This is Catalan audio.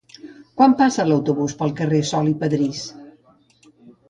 Quan passa l'autobús pel carrer Sol i Padrís?